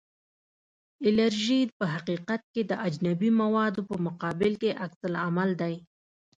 الرژي په حقیقت کې د اجنبي موادو په مقابل کې عکس العمل دی.